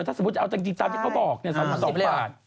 ถ้าสมมติจะเอาตัวจริงตามที่เค้าบอกเนี่ย๓๒บาท